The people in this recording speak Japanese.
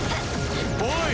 おい！